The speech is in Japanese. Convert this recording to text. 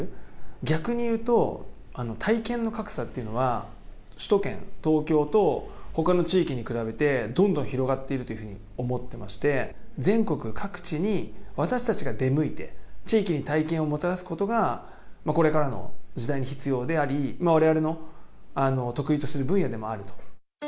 逆に言うと、体験の格差っていうのは、首都圏・東京とほかの地域に比べて、どんどん広がっているというふうに思ってまして、全国各地に私たちが出向いて、地域に体験をもたらすことが、これからの時代に必要であり、われわれの得意とする分野でもあると。